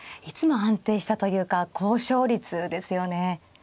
いつも安定したというか高勝率ですよね。